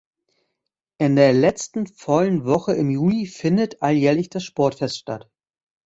In der letzten vollen Woche im Juli findet alljährlich das Sportfest statt.